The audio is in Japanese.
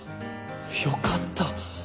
よかった！